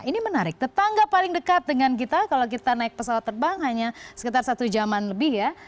ini menarik tetangga paling dekat dengan kita kalau kita naik pesawat terbang hanya sekitar satu jaman lebih ya